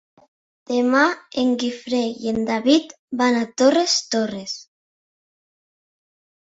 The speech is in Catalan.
Demà en Guifré i en David van a Torres Torres.